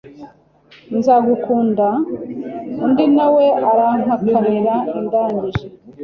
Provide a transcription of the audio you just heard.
Nza gukunda undi na we arampakanira ndangije